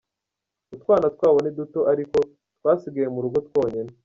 Utwana twabo ni duto ariko twasigaye mu rugo twonyine.